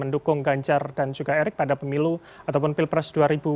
dan juga erik pada pemilu ataupun pilpres dua ribu dua puluh empat